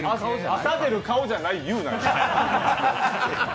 朝出る顔じゃない言うな。